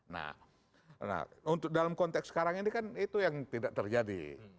nah untuk dalam konteks sekarang ini kan itu yang tidak terjadi